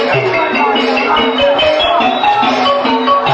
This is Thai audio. ดีดี